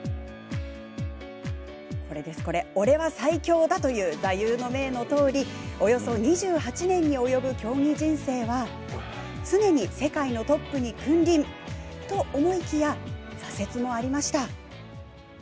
「オレは最強だ！」という座右の銘のとおりおよそ２８年に及ぶ競技人生は常に世界のトップに君臨と思いきや、挫折もありました。